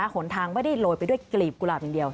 หนทางไม่ได้โรยไปด้วยกลีบกุหลาบอย่างเดียว